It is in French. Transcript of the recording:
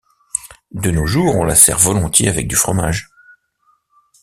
De nos jours, on la sert volontiers avec du fromage.